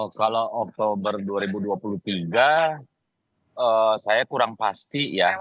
kalau oktober dua ribu dua puluh tiga saya kurang pasti ya